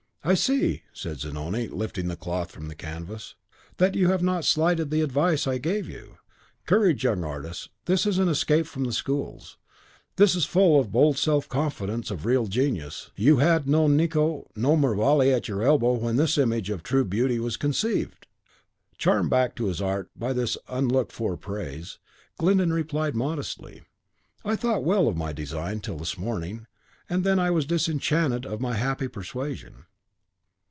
"I see," said Zanoni, lifting the cloth from the canvas, "that you have not slighted the advice I gave you. Courage, young artist; this is an escape from the schools: this is full of the bold self confidence of real genius. You had no Nicot no Mervale at your elbow when this image of true beauty was conceived!" Charmed back to his art by this unlooked for praise, Glyndon replied modestly, "I thought well of my design till this morning; and then I was disenchanted of my happy persuasion."